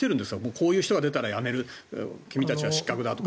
こういう人が出たらやめる君たちは失格だとか。